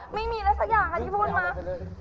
ไม่มีอะไรสักอย่างครับถูกพูดมั้ย